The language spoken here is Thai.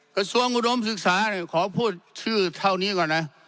กระทรวงอุดมศึกษาขอพูดชื่อเท่านี้ก่อนนะ